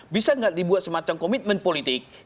bisa nggak dibuat semacam komitmen politik